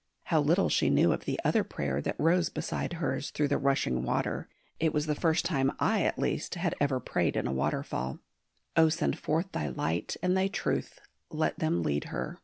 How little she knew of the other prayer that rose beside hers through the rushing water it was the first time I at least had ever prayed in a waterfall "Oh, send forth Thy light and Thy truth; let them lead her!"